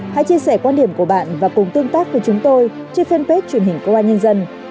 hãy chia sẻ quan điểm của bạn và cùng tương tác với chúng tôi trên fanpage truyền hình của bà nhiên dân